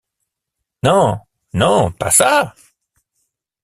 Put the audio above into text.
Non, non, pas ça...